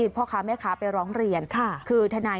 เดือดรอดไหมครับแม่เดือดรอดไหม